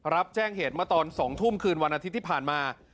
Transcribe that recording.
รับแจ้งเหตุเมื่อตอน๒ทุ่มคืนวันอาทิตย์ที่ผ่านมา